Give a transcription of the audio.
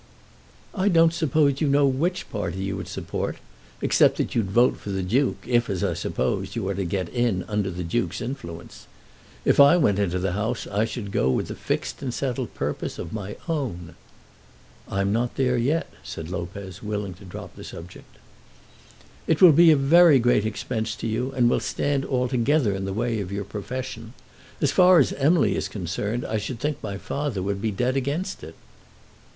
"I don't suppose you know which party you would support, except that you'd vote for the Duke, if, as I suppose, you are to get in under the Duke's influence. If I went into the House I should go with a fixed and settled purpose of my own." "I'm not there yet," said Lopez, willing to drop the subject. "It will be a great expense to you, and will stand altogether in the way of your profession. As far as Emily is concerned, I should think my father would be dead against it."